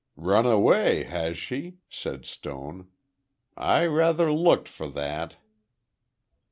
"Run away, has she?" said Stone. "I rather looked for that."